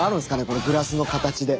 このグラスの形で。